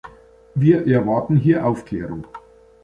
Wir erwarten hier Aufklärung.